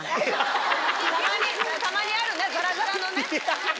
たまにあるザラザラのね。